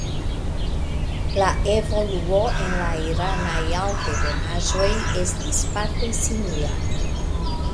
La evoluo en la iranaj altebenaĵoj estis parte simila.